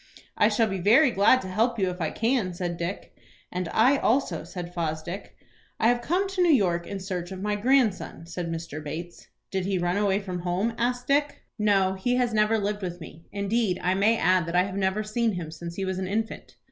"I shall be very glad to help you if I can," said Dick. "And I also," said Fosdick. "I have come to New York in search of my grandson," said Mr. Bates. "Did he run away from home?" asked Dick. "No, he has never lived with me. Indeed, I may add that I have never seen him since he was an infant."